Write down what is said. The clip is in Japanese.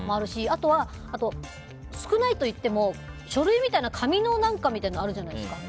あとは、少ないといっても書類みたいな紙のなんかがあるじゃないですか。